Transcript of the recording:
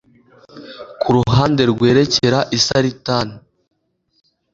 ku ruhande rwerekera i saritani